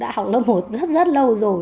học lớp một rất rất lâu rồi